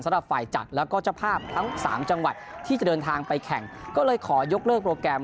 สำหรับฝ่ายจัดแล้วก็เจ้าภาพทั้งสามจังหวัดที่จะเดินทางไปแข่งก็เลยขอยกเลิกโปรแกรม